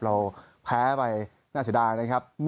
เราแพ้ไปน่าจะลายนะครับ